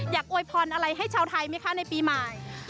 โวยพรอะไรให้ชาวไทยไหมคะในปีใหม่